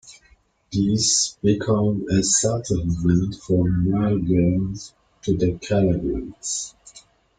This became a settlement for migrants to the Calamianes.